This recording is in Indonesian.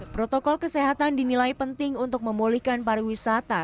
protokol kesehatan dinilai penting untuk memulihkan pariwisata